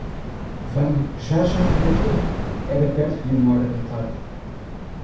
Vem, já, já, para quê? Era perto de uma hora da tarde.